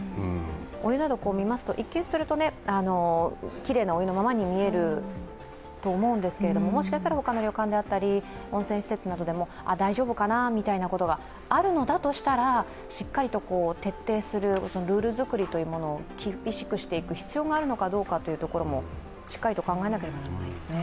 お湯などを見ますと、一見するときれいなお湯のままに見えるかもしれないですけどもしかしたら、他の旅館であったり温泉施設などでも大丈夫かなみたいなことがあるのだとしたら、しっかりと徹底するルール作りというものを厳しくしていく必要があるのかどうかも考えないといけないですね。